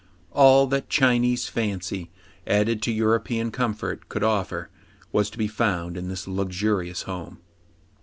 All that Chinese fancy, added to European comfort, could offer, was to be found in this luxurious home.